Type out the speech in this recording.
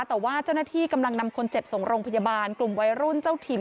แต่ว่าเจ้าหน้าที่กำลังนำคนเจ็บส่งโรงพยาบาลกลุ่มวัยรุ่นเจ้าถิ่น